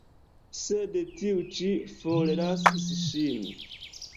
Sed tiu ĉi forlasis ŝin.